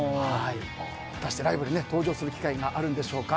果たしてライブで登場する機会があるんでしょうか。